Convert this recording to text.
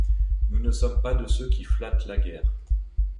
Nous ne sommes pas de ceux qui flattent la guerre.